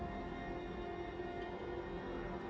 เพราะในตอนนั้นดิวต้องอธิบายให้ทุกคนเข้าใจหัวอกดิวด้วยนะว่า